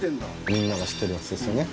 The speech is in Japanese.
みんなが知ってるやつですよね